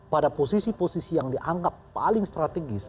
pada posisi posisi yang dianggap paling strategis